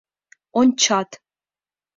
Ончат.